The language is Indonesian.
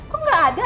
kok gak ada